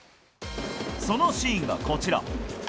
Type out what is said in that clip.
そのシーンがこちら。